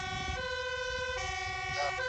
څه شی پنډي په اوږه باندي ګڼ توکي راوړي؟